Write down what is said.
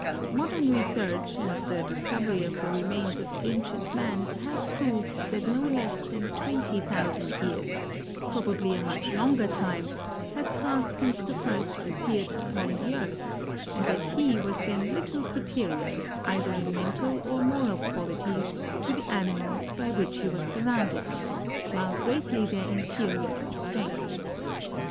Modern research and the discovery THE EFFECTS OF GEOGRAPHIC ENVIRONMEST 1G3 of the remains of ancient man have proved tliat no less than twenty thousand years, prohably a much k)nfj;er time, has passed since he first appeared upon the earth, and that he was then little superior, either in mental or moral qualities, to the animals hy which he was surrounded, while j^reatly their inferior in strength.